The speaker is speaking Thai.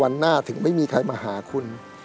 หน้าถึงไม่มีใครมาหาคุณ